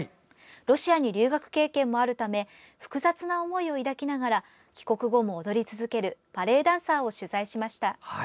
ロシアに留学経験もあるため複雑な思いを抱きながら帰国後も踊り続けるバレエダンサーを取材しました。